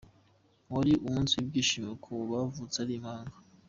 Wari umunsi w'ibyishimo ku bavutse ari impanga.